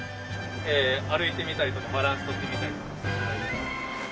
歩いてみたりとかバランス取ってみたりとかして頂いたら。